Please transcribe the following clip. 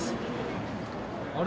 あれ？